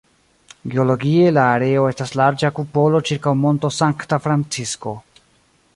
Geologie, la areo estas larĝa kupolo ĉirkaŭ Monto Sankta Francisko.